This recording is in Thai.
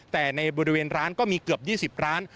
แต่ในบริเวณร้านก็มีเกือบ๒๐ร้าน